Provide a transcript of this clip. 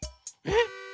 えっ？